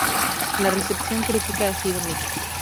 La recepción crítica ha sido mixta.